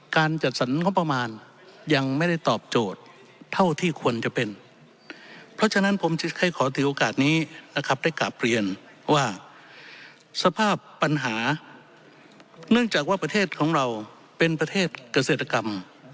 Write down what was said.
การจัดสรรงบประมาณยังไม่ได้ตอบโจทย์เท่าที่ควรจะเป็นเพราะฉะนั้นผมจะให้ขอถือโอกาสนี้นะครับได้กลับเรียนว่าสภาพปัญหาเนื่องจากว่าประเทศของเราเป็นประเทศเกษตรกรรม